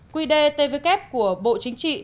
quy đề tvk của bộ chính trị